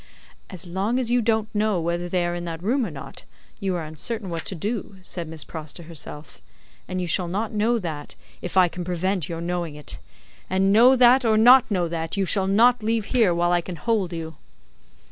"As long as you don't know whether they are in that room or not, you are uncertain what to do," said Miss Pross to herself; "and you shall not know that, if I can prevent your knowing it; and know that, or not know that, you shall not leave here while I can hold you."